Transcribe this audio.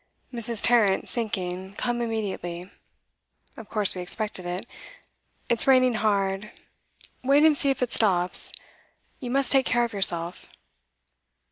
'Mrs. Tarrant sinking. Come immediately.' Of course we expected it. It's raining hard: wait and see if it stops; you must take care of yourself.